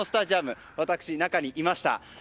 まさに私、中にいました。